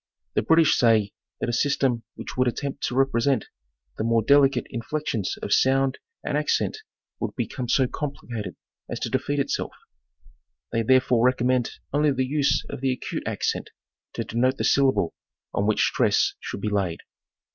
The British say that a system which would attempt to represent the more delicate inflections of sound and accent would become so complicated as to defeat itself. They therefore recom mend only the use of the acute accent to denote the syllable on which stress should be laid.